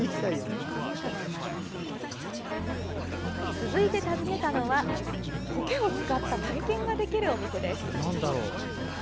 続いて訪ねたのはコケを使った体験ができるお店です。